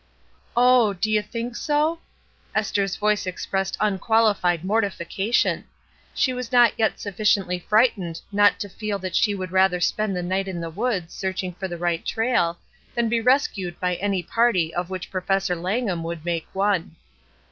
"Oh! do you think so?" Esther's voice ex pressed unquaUfied mortification. She was not yet sufficiently frightened not to feel that she would rather spend the night in the woods searching for the right trail, than be rescued by any party of which Professor Langham would make one.